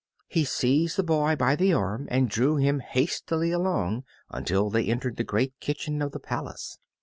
He seized the boy by the arm and drew him hastily along until they entered the great kitchen of the palace.